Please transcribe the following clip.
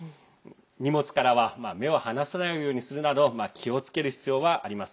荷物からは目を離さないようにするなど気をつける必要はあります。